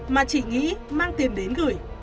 mà chỉ nghĩ mang tiền đến gửi